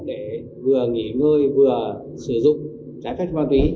để vừa nghỉ ngơi vừa sử dụng trái phép ma túy